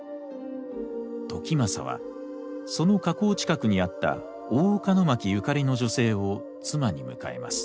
時政はその河口近くにあった大岡牧ゆかりの女性を妻に迎えます。